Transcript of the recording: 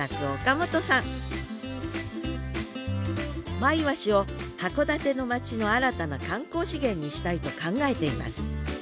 マイワシを函館の町の新たな観光資源にしたいと考えています